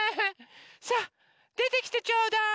さあでてきてちょうだい。